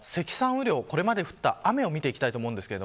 雨量、これまで降った雨を見ていきます。